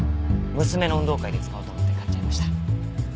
娘の運動会で使おうと思って買っちゃいました。